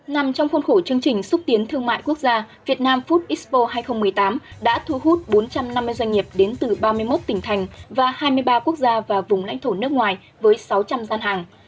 nằm trong khuôn khổ chương trình xúc tiến thương mại quốc gia việt nam food expo hai nghìn một mươi tám đã thu hút bốn trăm năm mươi doanh nghiệp đến từ ba mươi một tỉnh thành và hai mươi ba quốc gia và vùng lãnh thổ nước ngoài với sáu trăm linh gian hàng